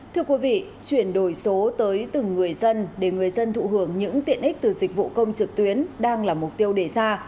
thưa quý vị chuyển đổi số tới từng người dân để người dân thụ hưởng những tiện ích từ dịch vụ công trực tuyến đang là mục tiêu đề ra